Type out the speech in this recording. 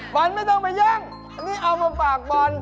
บานไม่ต้องไปแย่งอันนี้เอามาปากบาน